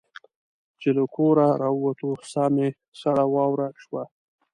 چې له کوره را ووتو ساه مو سړه واوره شوه.